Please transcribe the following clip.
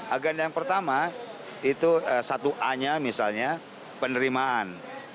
agenda yang pertama itu satu a nya misalnya penerimaan